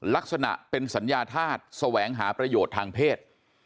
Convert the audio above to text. ลักษณะเป็นสัญญาธาตุแสวงหาประโยชน์ทางเพศ